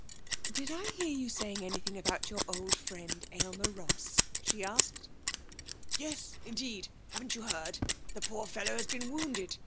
'Did I hear you saying anything about your old friend, Aylmer Ross?' she asked. 'Yes, indeed. Haven't you heard? The poor fellow has been wounded.